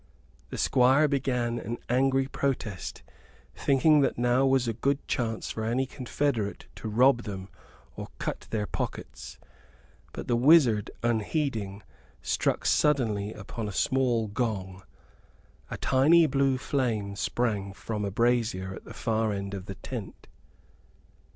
The Squire began an angry protest, thinking that now was a good chance for any confederate to rob them or cut their pockets: but the wizard, unheeding, struck suddenly upon a small gong. A little blue flame sprang up from a brazier at the far end of the tent.